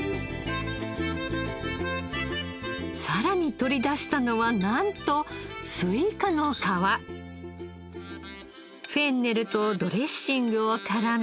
さらに取り出したのはなんとフェンネルとドレッシングを絡め